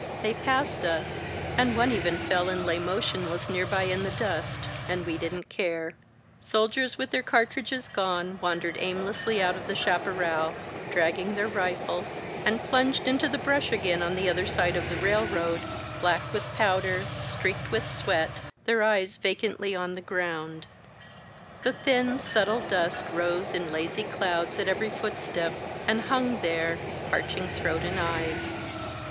They passed us, and one even fell and lay motionless nearby in the dust — and we didn't care. Soldiers with their cartridges gone wandered aimlessly out of the chaparral, dragging their rifles, and plunged into the brush again on the other side of the railroad, black with powder, streaked with sweat, their eyes va cantly on the groimd. The thin, subtle dust rose in lazy clouds at every footstep, and himg there, parching throat and eyes.